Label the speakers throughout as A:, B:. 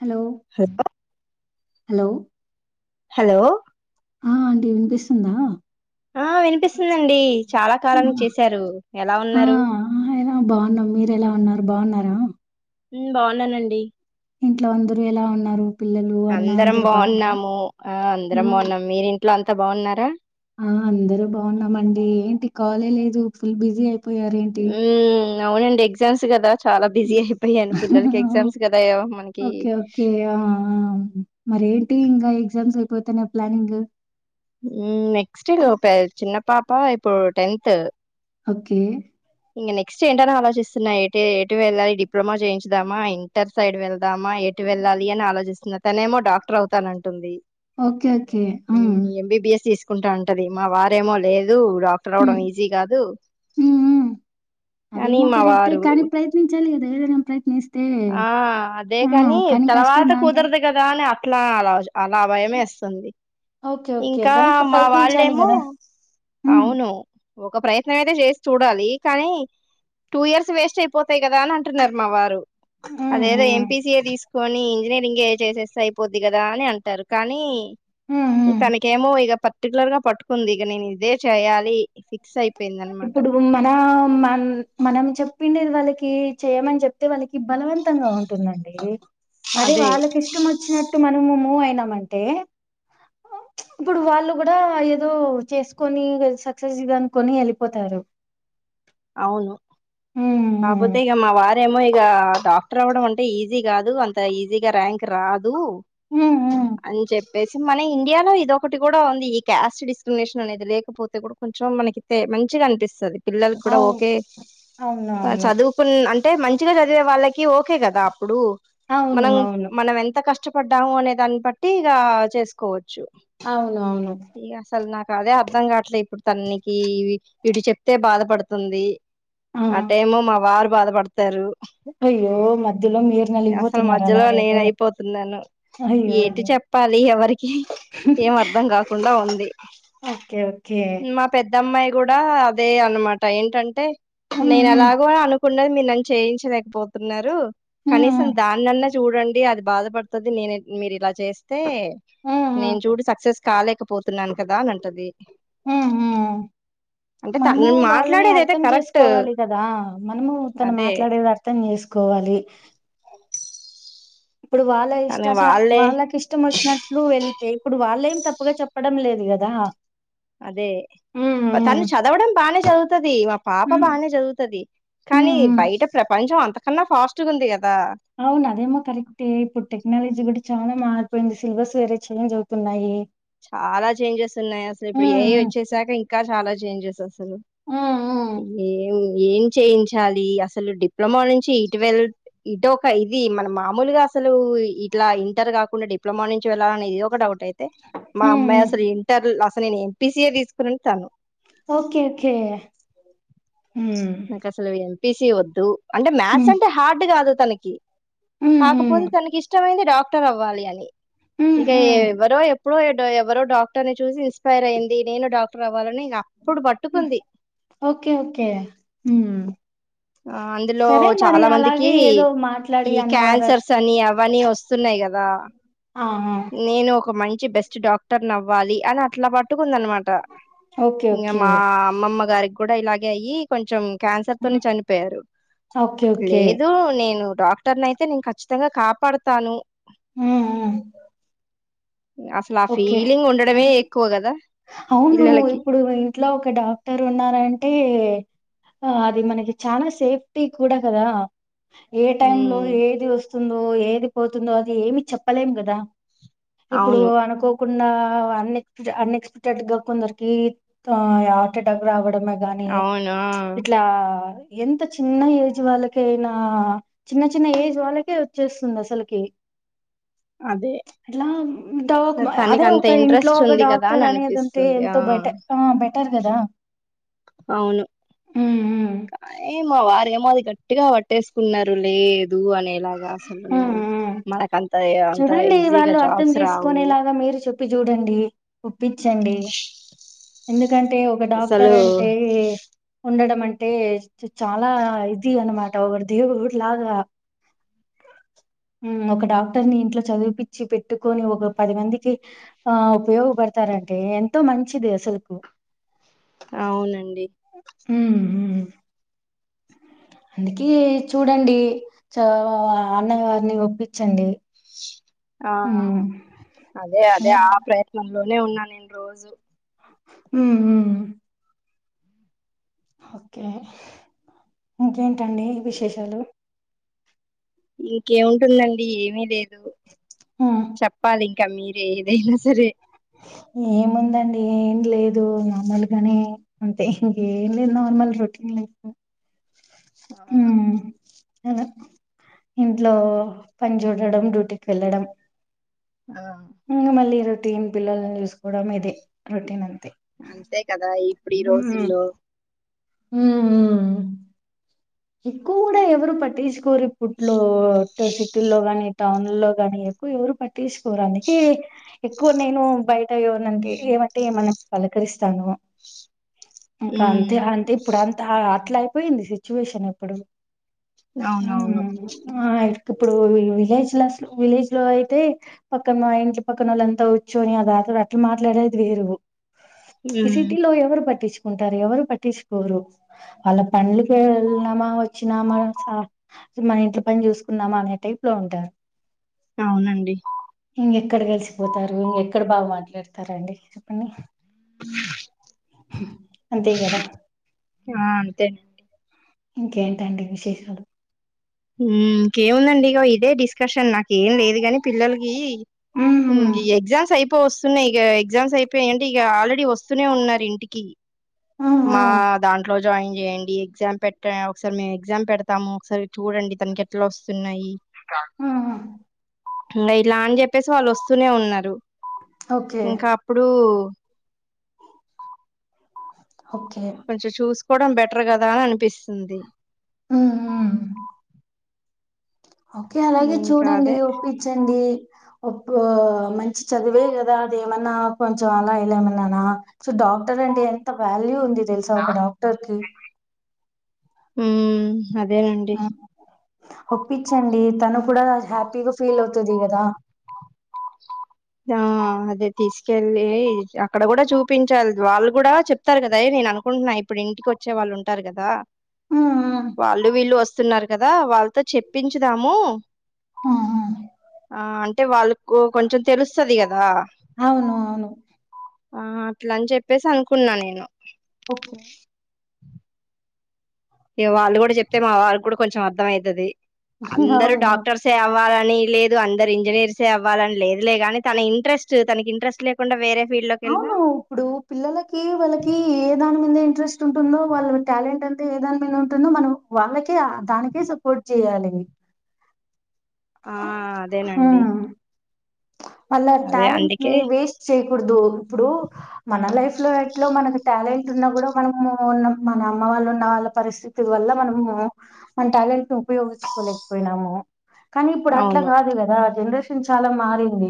A: Hello
B: hello
A: hello
B: hello
A: ఆ aunty వినిపిస్తుందా.
B: ఆ వినిపిస్తుందండి. చాలా కాలాం చేశారు ఎలా
A: ఆ ఆ,
B: ఉన్నారు.
A: ఎలా బాగున్నాం మీర ఎలా ఉన్నారు బాగున్నారా.
B: బాగున్నానండి.
A: ఇంట్లో అందరుఎలా ఉన్నారు. పిల్లలు అన్న
B: అందరం
A: అందరు బాగున్నారా
B: బాగున్నాము ఆ అందరం
A: ఉమ్,
B: బాగున్నాము మీరి ఇట్లా అంతా బావున్నారా
A: ఆ అందరూ బాగున్నామండి ఏంటి కాలే లేదు ఫుల్ బిజీ అయిపో పోయరేంటి
B: ఉమ్ అవునండి ఎగ్జామ్స్ కదా చాలా బిజీ అయిపోయాను
A: హా హా
B: పిల్లలకి ఎగ్జామ్స్ కదా మనకి
A: ఓకే ఓకే ఆ మరేంటి ఇంకా ఎగ్జామ్స్ ఐపోతేనే ప్లానింగ్
B: నెక్స్ట్ ఇ చిన్న పాపా ఇప్పుడు టెన్త్
A: ఓకే
B: ఇంక నెక్స్ట్ ఏంటని ఆలోచిస్తున్నా ఏ ఎటు వెళ్ళాలి డి డిప్లొమా చేయించదామా ఇంటర్ సైడ్ వెళ్ దామ ఎటు వెళ్ళాలి అని ఆలోచిస్తున్నారు తనేమో డాక్టర్ అవుతానంటుంది
A: ఓకే ఓకే మ్మ్
B: కుంటా ఉంటది మా వారేమో లేదు దు డాక్టర్
A: ఉమ్
B: అవడం ఈజీ కాదు
A: ఉమ్ ఉమ్
B: అని
A: అదేమో
B: మా
A: కరెక్టే
B: వారు
A: కానీ ప్రయత్నించాలి కదా ఏదైనా ప్రయత్నిస్తే
B: ఆ
A: ఆ కానీ కష్టం దాంట
B: కానీ అట్లా అలా అల భయం యేస్తుంది
A: ఓకే ఓకే
B: ఇంకా
A: కానీ ఇంక
B: మా
A: ప్రయత్నించాలి
B: వాళ్ళేమో
A: కదా హ్మ్
B: అవును ఒక ప్రయత్నం అయితే చేసి చూడాలి కానీ టూ ఇయర్స్ వేస్ట్ అయిపోతాయి కదా అని అంటున్నారు మా వారు.
A: హ్మ్
B: అదేదో ఎం
A: హ్మ్
B: పీ సి ఏ తీసుకొని ఇంజనీరింగ్ ఏ చేసేస్తే అయిపోత్ ఇది కదా అని అంటారు కానీ
A: హ్మ్
B: మ్
A: హ్మ్.
B: తనకేమో ఇగ పత్ పార్టీకులర్గా పట్టుకుంది ఇక నేను ఇదే చేయాలి ఫిక్స్ అయి
A: ఇప్పుడు ఉన్న మన మన్ మనం చెప్పిండేది వాళ్ళకి చేయమని చెప్తే వాళ్ళకి బలవంతంగా ఉంటుందండి అదే వాళ్ళకి ఇష్టం వచ్చినట్ [unintelligible] మనమేమో అయినాంటే ప్చ్ ఇప్పుడు వాళ్ళు కూడా ఏదో చేసుకొని వాల్ సక్సెస్గ అనుకోని వెల్ పోతారు
B: అవును కాకపోతే ఇగ మా వార్ రేమో ఇక డాక్టర్ అవ్వడం అంటే ఈజీ కాదు అంత ఈజీగా ర్యాంక్ రాదు.
A: హ్మ్ హ్మ్
B: అన్ చెప్ చెప్పేసి మన ఇండియాలో ఇదొకటి కూడా ఉంది ఈ క్యాస్ట్ డిస్క్రిమినేషన్ అనేది లేకపోతే కూడా కొంచెం మనకి తే మంచిగా అనిపిస్తుంది. పిల్లల్ కూడా
A: అవును
B: ఓకే
A: అవునవును
B: చదువ్కోన్ అంటే మంచిగా చదివే వాళ్ళకి ఓకే కదా అప్పుడు
A: అవును
B: మనం
A: అవును
B: మనం ఎంత కష్ట ప పడ్డాము అనే దాన్ని బట్టి ఇగ చేసుకోవచ్చు
A: అవును అవును
B: ఇగ అసలు నాకు అదే అర్ధం కావట్లే ఇప్పుడు తనికి వీ ఇటు చెప్తే బాధపడుతుంది ఆ టైము మా వారు బాధపడుతు సరు
A: అయ్యో మధ్యలో మీరు
B: అసలు
A: నలిగిపోతున్నారు
B: మధ్యలో నేన
A: అలాగైతే
B: అయిపోతున్నాను
A: అయ్యో
B: ఏటి
A: అయ్యో
B: చెప్పాలి ఎవరికి ఏం అర్థం కాకుండా ఉంది
A: ఓకే ఓకే
B: మా పెద్ద ద్దమ్మాయి కూడా అదే అనమాట ఏంటంటే నేనె
A: ఉహు
B: ఎలాగో అను కున్న మీరు నన్ను చేయించలేకపోతున్నారు
A: ఉహు
B: కనీసం దాన్నన్న చూడండి అది బాధ పడుతది నేనే మీరు ఇలా చేస్తే
A: ఉహు
B: నేను చూడు సక్సెస్ కాలేకపో పోతున్నాను కదా అని అంటది
A: ఉహు
B: అంటే తను మాట్లాడేది అయితే కరెక్ట్
A: కోవాలి కదా మనము తను
B: అదే
A: మాట్లాడేది అర్థం చేసుకోవాలి ఇప్పుడు వాళ్ళ
B: కానీ
A: ఇష్టాచార
B: వాళ్ళే
A: వాళ్ళకి ఇష్టమొచ్చినట్లు వెళ్ తే ఇప్పుడు వాళ్ళేం తప్పుగా చెప్పడం లేదు కదా హ్మ్, హ్మ్,
B: తను చదవడం బానే చదువుతది మా పాప
A: హ్మ్,
B: బానే చదువుతుది
A: హ్మ్,
B: కానీ
A: హ్మ్.
B: బయట ప్రపంచం అంత కన్నా ఫాస్ట్గుంది గ
A: అవును అదేమో కరెక్టే ఇప్పుడు టెక్నాలజీ కూడా చాలా మార్ పోయింది సిలబస్ వేరే చేంజ్ అవుతున్నాయి
B: చాలా చేంజెస్ ఉన్నాయి అసలు ఇప్పుడు
A: హ్మ్,
B: ఏఐ
A: హ్మ్,
B: వచ్చేసాక ఇంకా చాలా చేంజెస్ అసలు
A: హ్మ్, హ్మ్.
B: ఏఐ ఏం చేయించాలి అసలు డిప్లొమా నుంచి ఇటువెళ్ ఇటొక ఇది మన మామూలుగా అసలు ఇట్లా ఇంటర్ కాకుండా డిప్లొమా నుంచి వెళ్ళాలనేది ఒక డౌ టైతే మా అమ్మాయి
A: హ్మ్
B: అసలు ఇంటర్ లస్ నేను ఎం పి సి ఏ తీసుకుంటాను
A: ఓకే కే
B: నా కసలువి ఎం పి సి వద్దు అంటే
A: హ్మ్.
B: మ్యాథ్స్ అంటే హార్డ్ కాదు తనకి
A: హుహు.
B: కాకపోతే తనకి ఇష్టమైంది డాక్ క్టర్ అవ్వాలి అని ఇక
A: హుహు.
B: ఎవ్వరో ఎప్ ప్పుడో ఎడొ ఎవ్వరో డాక్టర్ ని చూసి ఇన్స్పైర్ అయింది నేను డాక్టర్ అవ్వాలని ఇగ అప్పుడు పట్టుకుంది
A: ఓకే. ఓకే. హ్మ్.
B: ఆ అందులో
A: సరే మరి
B: చాలా మందికి
A: అలాగే ఏదో మాట్లాడి
B: ఈ
A: అన్నవర
B: క్యాన్సర్స్ అని అవని వస్ వస్తున్నాయి కదా
A: ఆ! ఆ!
B: నేను ఒక మం చి బెస్ట్ డాక్టర్ అవ్వాలి అని అట్ల పాటు కుందనమాట
A: ఓకే.
B: ఇంగ
A: ఓకే.
B: మా అమ్మమ్మ గారి కూడా ఇలాగే అయ్యి కొంచెం క్యాన్సర్ తోనే
A: హ్మ్.
B: చనిపోయారు
A: ఓకే. ఓకే.
B: లేదు నేను డాక్టర్ నయితే నేను ఖచ్చితంగా కాపాడుతాను
A: ఆ
B: అసలు ఆ
A: ఓకే
B: ఫీలింగ్ ఉండడమే ఎక్కువ కదా
A: అవును
B: పిల్లలకి
A: ఇప్పుడు ఇంట్లో ఒక డాక్టర్ ఉన్నారంటే ఆ అది మనకి చనా సేఫ్టీ కూడా కదా ఏ టైమ్ లో
B: ఉమ్
A: ఏది వస్తు తుందో ఏది పోతుందో అది ఏమి చెప్పలేం కదా
B: అవును
A: ఉన్నవన్నీ అనుఎక్పిడ అనుఎక్స్పెక్టెడ్ గా కొందరికి హార్ట్ అటాక్ రావ డం గాని
B: అవునా
A: ఇట్లా ఎంత చిన్న ఏజ్ వాళ్ళక అయినా చిన్న చిన్న ఏజ్ వాళ్ళకే వచ్చేస్తుంది అసలుకి
B: అదే
A: ఎట్లా దవా
B: సర్ తనకి
A: అదే
B: అంత
A: ఒక ఇంట్లో
B: ఇంట్రెస్ట్
A: ఒక
B: ఉంది కదా అని
A: డాక్టర్ అనేది ఉంటే
B: అనిపిస్తుంది ఆ
A: ఎంతో బెటర్ ఆ బే అంటారు కదా
B: అవును
A: ఉమ్
B: కాఏ మా వారేమో అది గట్టిగా పట్టేసుకున్నారు లేదు అనేలా
A: ఆ
B: అంత
A: చూడండి
B: ఈజీగా
A: వాళ్ళు అర్థం
B: జాబ్స్ రావు
A: చేసుకునేలాగా మీరు చెప్పి చూడండి ఒప్పించండి ఎందు కంటే ఒక డాక్టర్
B: అసలు
A: అంటే ఉండడం అం అంటే ఏజ్ చాలా ఇది అనమా ఒకరు దేవురూట్లాగా ఒక డాక్టర్ ని ఇంట్లో చదిపించి పెట్టుకొని ఒక పది మందికి ఆ ఉపయోగపడతారంటే ఎంతో మంచిది అసలుకు
B: అవునండి
A: ఉ అందుకే చూడండి చ అన్నయ్య వారిని ఒప్పించండి
B: ఆ
A: ఉమ్,
B: అదే అదే
A: అలా
B: ఆ ప్రయత్నం లోనే ఉన్నా నేను రోజు
A: మ్మ్ మ్మ్ ఓకే ఇంకేంటండి
B: ఉమ్,
A: విశేషాలు
B: ఇంకేముంటుందండి ఏమి లేదు
A: ఉమ్.
B: చప్పాలి క మీరే ఏదైనా సరే
A: ఏముందండి ఏం లేదు నార్మల్ గానే అంతే ఇంకేం లేదు నార్మల్ రొటీన్ లైఫ్ ఏ
B: ఆ
A: అ ఇంట్లో పని చూడడం డ్యూటీకి వెళ్ళడం
B: ఆ
A: ఇంగ మళ్ళీ రోట్ టీన్ పిల్లల్ని చూసుకోవడం ఇదే రొటీన్ అంతే
B: అంతే కదా ఇప్పుడు ఈ రోజుల్లో
A: మ్మ్ హ్మ్ ఎక్కువ కూడా ఎవరు పట్టిచు కోరు ఇప్పట్లో ట సిటీల్లో గాని టౌన్ ల్లో గాని ఎక్కువ ఎవరు పట్టించకోరానికి ఎక్కువ నేను బయట ఎవరినంటే ఏమంటే ఏమన పలకరిస్తాను. ఇంకా
B: ఉమ్
A: అంతే అంటే ఇప్పుడు అం హా అట్లా అయిపోయింది సిచ్ వేషన్ ఇప్పుడు
B: అవునవును
A: హ్మ్ ఆయ్ ఇప్పుడు విలేజ్ లో అస్లు విలేజ్ లో అయితే పక్కన ఇంటి పక్కన వాళ్ళు అంతా కూచ్చుని అదాతరా అట్లా మాట్లాడేది వేరు. ఈ
B: హ్మ్.
A: సిటీలో ఎవరు పట్టిచ్ ఉంటారు ఎవరు పట్టిచుకోరు వాళ్ళ పండ్లు వెళ్నామా వచ్చినామా స మన ఇంట్లో పని చూసుకుందామా అనే టైప్ లో ఉంటారు
B: అవునండి.
A: ఇంగెక్కడ కలిసిపోతారు ఇంగెక్కడ బాగా మాట్లాడతారండి చెప్పండి అంతే కదా
B: ఆ! అంతేనండి.
A: ఇంకేంటండి విశేషాలు
B: హ్మ్ ఇంకేముందండి ఇగ ఇదే డిస్కషన్ నాకేం లేదు గాని పిల్లలకి
A: ఉమ్, ఉమ్,
B: ఎక్జామ్స్ అయిపో పోస్తున్నాయి ఇక ఎగ్జామ్స్ అయిపోయాయింటే ఇక ఆల్రెడీ వస్తూనే ఉన్నారు ఇంటికి
A: ఉమ్,
B: మా
A: ఉమ్,
B: దాంట్లో జాయిన్ చేయండి ఎగ్జామ్ పెట్ట ఒకసారి మేము ఎగ్జామ్ పెడతాము ఒకసారి చూడండి తనకి ఎట్లా వస్తున్నాయి స్టార్ట్
A: ఉమ్.
B: ఇట్ల ఇలా అని చెప్పేసి వాళ్ళు వస్తూనే ఉన్నారు
A: ఓకే
B: ఇంకా అప్పుడు
A: ఓకే
B: కోడం బెటర్ కదా అనిపిస్తుంది
A: హ్మ్ మ్మ్ ఓకే అలాగే
B: ఇంకా
A: చూడండి
B: అదే.
A: ఒప్పించండి ఒప్ మంచి చదివే కదా అదేమన్నా కొంచం అలా ఇలా ఏమన్నానా సో డాక్టర్ అంటే ఎంత వాల్యూ ఉంది తెలుసా ఒక డాక్టర్ కి
B: హ్మ్ అదేనండి
A: హ్మ్. ఒప్పించండి తను కూడా హ్యాపీగా ఫీల్ అవుతది కదా
B: ఆ అదే తీసుకెళ్ళి అక్కడ కూడ చూపించాలి వాళ్ళు కూడా చెప్తారు కదా నేను అనుకుంటున్నా ఇప్పుడు ఇంటికి వచ్చే వాళ్ళు ఉంటారు కదా
A: హ్మ్. హ్మ్.
B: వాళ్ళు వీళ్ళు వస్తున్నారు కదా వాళ్ళతో చెప్పించుదాము
A: హ్మ్. హ్మ్.
B: ఆ అంటే వాళ్ళకు కొంచెం తెలుస్తది కదా
A: అవును అవును
B: ఆ అట్లా అని చెప్పేసి అనుకున్న నేను
A: ఒకే
B: వాళ్ళు కూడ చెప్తే మా వాళ్కి కూడా కొంచెం అర్థం అయితది అందరు
A: అవును.
B: డాక్టర్స్ అవ్వాల కానీ లేదు అందరు ఇంజనీర్స్ ఎ అవ్వాలని లేదులే కాని తన ఇంట్రెస్ట్ తనకి ఇంట్రెస్ట్ లేకుండ వేరే ఫీల్డ్ లోకి వెళ్ళినా
A: అవును. ఇప్పుడు పిల్లలకి వాళ్ళకి ఏదా మీద ఇంట్రెస్ట్ ఉంటుందో వాళ్ళ టాలెంట్ అంత ఏదాని మీద ఉంటుందో మనం వాళ్ళకే దానికే సపోర్ట్ చేయాలి
B: ఆ అదేనండి
A: హ్మ్ ఆళ
B: అదే
A: టాలెంట్ ని
B: అందుకే
A: వేస్ట్ చేయ కుడదు ఇప్పుడు మన లైఫ్ లో ఎటో మనకు టాలెంట్ ఉన్నా కూడా మనము ఉన్న మన అమ్మ వాళ్ళు ఉన్న వాళ్ళ పరిస్థితి వల్ల మనము మన టాలెంట్ ని ఉపయోగించుకోలేకపోయినాము కానీ ఇప్పుడు అట్ల
B: అవును
A: కాదు కదా జన చల మా పోయింది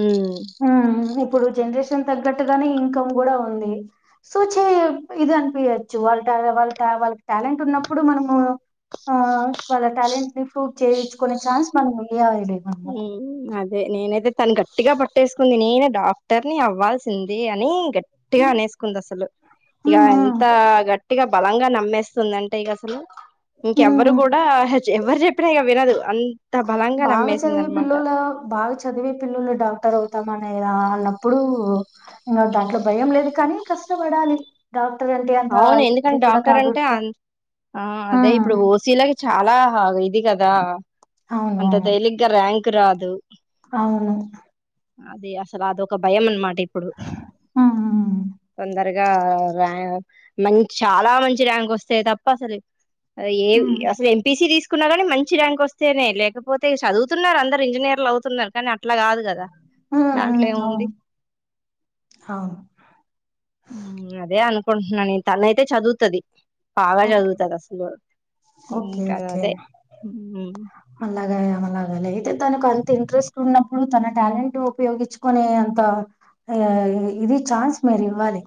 B: ఉమ్
A: మ్మ్ ఇప్పుడు వీడ్ జనరేషన్ తగ్గట్టుగానే ఇంకమ్ కూడా ఉంది సో చే ఇది అనిపియచ్చు వాళ్ళ వాళ్ళ వాళ్ళకి టాలెంట్ ఉన్నప్పుడు మనము ఆ వాళ్ళ టాలెంట్ నీ ఫు పూఫ్ చేయించుకునే ఛాన్స్ మనం ఇయ్యాలే లేమమ్మ
B: ఉమ్ అదే నేనైతే తను గట్టిగా పట్టేసుకుంది నేనే డాక్టర్ ని అవ్వాల్సింది అని గట్ గట్టిగా
A: ఉమ్
B: అనేసుకుంది అసలు ఇగ
A: ఉమ్
B: ఎంత గట్ గట్టిగా బలంగా నమ్మేస్తుంది అంటే ఇగ అసలు ఇంకెవరు
A: ఉమ్.
B: గూడా ఏచు ఎవరు జెప్పినా ఇగ వినదు అంత బలంగా
A: బాగా
B: నమ్మేస్
A: చదివే పిల్లలగా బాగా చదివే పిల్లులు డాక్టర్ అవుతాం అనే ఇగ అన్నప్పుడు ఇంగ దాంట్లో భయం లేదు కానీ కష్టపడాలి అంటే అంత
B: అవును
A: ఈజీ
B: ఎందుకంటే
A: కూడా
B: డాక్టర్
A: కాదు
B: అంటే ఆన్ ఆ అదే
A: హ్మ్
B: ఇప్పుడు ఓసీలాకి చాలా ఫాగాయి ఇది గదా
A: అవును
B: అంత
A: అవును
B: తేలిగ్గా ర్యాంక్ తిరాదు
A: అవును
B: అదే అసలు అది ఒక భయం మన్ మాట్ టీ ఇప్పుడు
A: హ్మ్ హ్మ్
B: వంద అగా రా [unintelligible] మన్ చాలా మంచి ర్యాంక్ వస్తాయి తప్ప అసలు ఆ ఏం
A: హ్మ్
B: అసలు ఎంపీసీ తీస్ కున్న గాని మంచి ర్యాంక్ వస్తేనే లేకపోతే చదువుతున్నారు అందరు ఇంజనీర్లు అవుతున్నారు కానీ అక్ అట్లా గాదు గదా
A: హ్మ్
B: దాంట్లో
A: హ్మ్
B: ఏముంది
A: అవును అవును
B: ఉ అదే అనుకుంటున్నాను నేను తను అయితే చదువుతది బాగా
A: ఓకే
B: చదువుతది అసలు ఉమ్
A: ఓకే
B: కాదు
A: ఓకే
B: అదే ఉమ్
A: అలాఅలాగే తేతు తనకు అంత ఇంట్రెస్ట్ ఉన్న ఇప్పుడు తన టాలెంట్ ఉపయోగించుకునే అంత ఇది ఛాన్స్ మీరు ఇవ్వాలి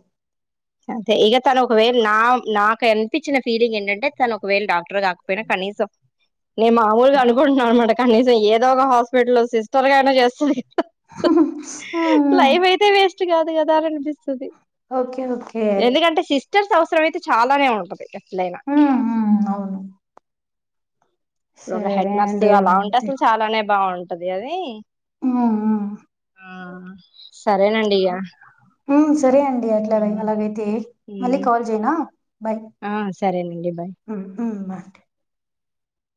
B: అంతే ఇగ తను ఒకవేళ నా నాకు అనిపించిన ఫీలింగ్ ఏంటంటే తను ఒకవేళ డాక్ ఇప్పుడు గాక పోయినా కనీసం నేను మామూలుగా అనుకుంటున్నాను మడక్ కనీసం ఏదో ఒక హాస్పిటల్లో సిస్టర్ గా అయినా చేస్తంది
A: ఆ
B: రిచ్ కాదు కదా అని అనిపిస్తుంది
A: ఓకే ఓ
B: ఎందుకంటే శిశు సిస్టర్స్ అవసరం అయితే చాలనే ఉంటది ఇగ
A: హ అవును
B: ఇప్పుడు ఒక
A: సరే
B: హెడ్ నర్స్
A: అండి
B: అలా ఉంటే
A: అలాగైతే
B: అసలు చాలానే బాగుంటంది ది అది ఆ సరేనండి ఇగ
A: హ సరే అండి అట్లా
B: ఆ
A: అలాగైతే మళ్ళీ
B: ఉమ్
A: కాల్ చెయ్యనా
B: ఆ సరేనండి బాయ్
A: ఉ [unintelligible]